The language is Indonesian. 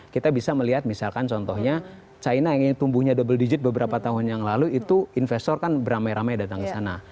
kita bisa melihat misalkan contohnya china yang tumbuhnya double digit beberapa tahun yang lalu itu investor kan beramai ramai datang ke sana